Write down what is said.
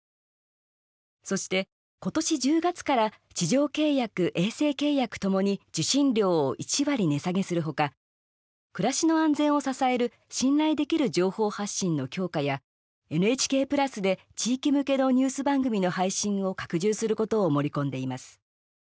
そして、今年１０月から地上契約、衛星契約ともに受信料を１割値下げする他暮らしの安全を支える信頼できる情報発信の強化やＮＨＫプラスで地域向けのニュース番組の配信を拡充することを盛り込んでいます。